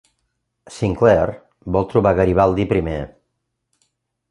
Sinclair vol trobar Garibaldi primer.